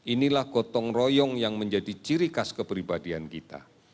inilah gotong royong yang menjadi ciri khas kepribadian kita